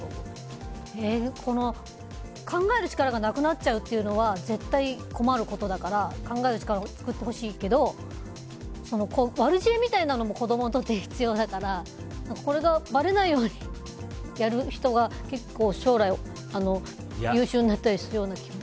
考える力がなくなっちゃうっていうのは絶対困ることだから考える力を作ってほしいけど悪知恵みたいなものも子供にとって必要だからこれがばれないようにやる人が結構将来優秀になったりする気も。